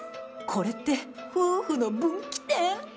これって、夫婦の分岐点？